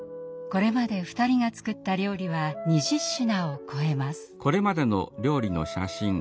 これまで２人が作った料理は２０品を超えます。